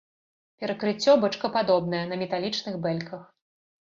Перакрыцце бочкападобнае на металічных бэльках.